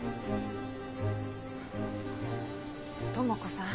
友子さん